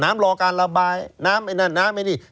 น้ำรอการระบายน้ำนั้นน้ำนี้